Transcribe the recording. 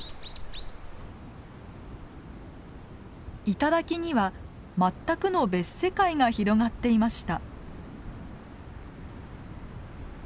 頂には全くの別世界が広がっていました。